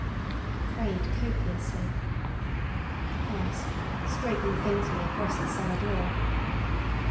I prayed copiously. It passed, scraping faintly across the cellar door.